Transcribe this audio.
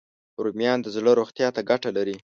رومیان د زړه روغتیا ته ګټه لري